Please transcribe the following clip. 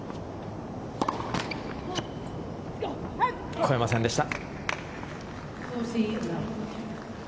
越えませんでした。